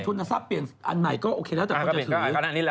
ทรัพย์เปลี่ยนอันใหม่ก็โอเคแล้วแต่คนจะถือ